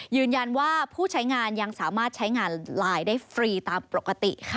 ยืนยันว่าผู้ใช้งานยังสามารถใช้งานไลน์ได้ฟรีตามปกติค่ะ